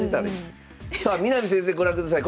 さあ南先生ご覧ください。